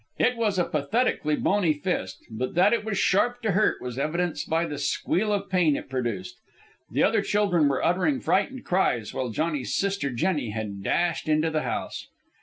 It was a pathetically bony fist, but that it was sharp to hurt was evidenced by the squeal of pain it produced. The other children were uttering frightened cries, while Johnny's sister, Jennie, had dashed into the house.